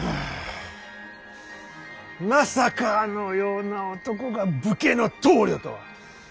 まさかあのような男が武家の棟梁とは。